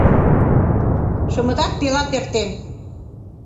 — Шымытат пелат эртен.